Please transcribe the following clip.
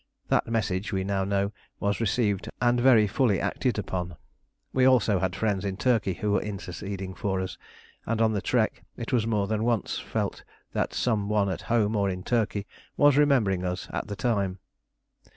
That message, we now know, was received and very fully acted upon. We had also friends in Turkey who were interceding for us; and on the trek it was more than once felt that some one at home or in Turkey was remembering us at the time.